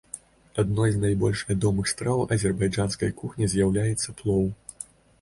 Адной з найбольш вядомых страў азербайджанскай кухні з'яўляецца плоў.